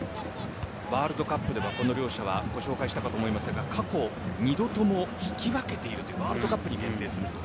ワールドカップではこの両者はご紹介したかと思いますが過去２度とも引き分けているというワールドカップに限定すると。